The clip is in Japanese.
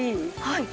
はい。